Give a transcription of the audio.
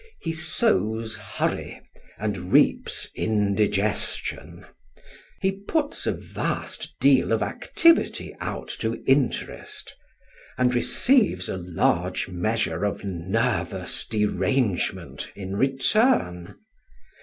He sows hurry and reaps indigestion; he puts a vast deal of activity out to interest, and receives a large measure of nervous derangement in return.